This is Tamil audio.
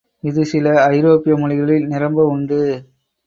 இது சில ஐரோப்பிய மொழிகளில் நிரம்ப உண்டு.